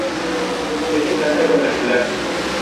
Es de planta cuadrangular.